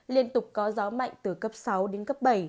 liên tục có gió mạnh từ cấp sáu đến cấp bảy